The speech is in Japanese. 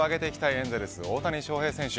エンゼルス大谷翔平選手。